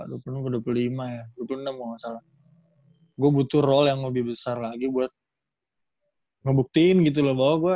dua puluh enam ke dua puluh lima ya dua puluh enam kalau nggak salah gue butuh role yang lebih besar lagi buat ngebuktiin gitu loh bahwa gue